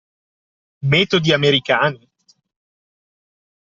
Metodi americani?